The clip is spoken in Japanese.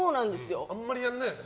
あんまりやらないよね。